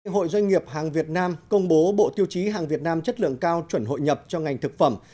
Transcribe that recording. hội doanh nghiệp hàng việt nam công bố bộ tiêu chí hàng việt nam chất lượng cao chuẩn hội nhập cho ngành thực phẩm